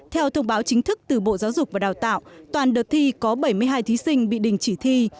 theo thông báo chính thức từ bộ giáo dục và đào tạo toàn đợt thi có bảy mươi hai thí sinh bị đình chỉ thi